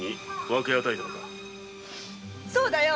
そうだよ！